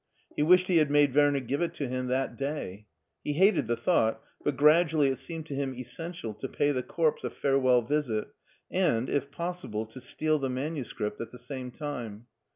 He wished he had made Werner give it to him that day. He hated the thought, but gradually it seemed to him essential to pay the corpse a farewell visit, and, if possible, to steal the manuscript at the same time.